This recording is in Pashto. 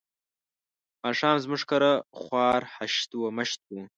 ماښام زموږ کره خوار هشت و مشت وو.